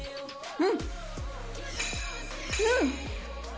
うん。